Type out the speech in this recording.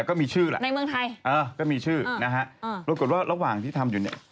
ก็มีชื่อนะระหว่างที่ทำอยู่เนี่ย